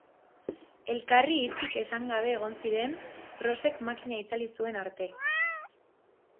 Elkarri hitzik esan gabe egon ziren Rosek makina itzali zuen arte.